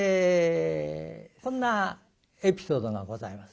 こんなエピソードがございます。